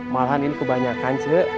malahan ini kebanyakan cok